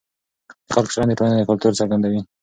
د خلکو چلند د ټولنې کلتور څرګندوي.